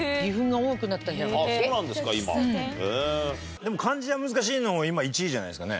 でも漢字が難しいのも今１位じゃないですかね？